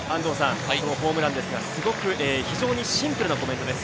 そのホームランですが、非常にシンプルなコメントです。